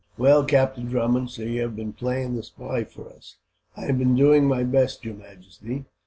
"Well, Captain Drummond, so you have been playing the spy for us?" "I have been doing my best, your majesty."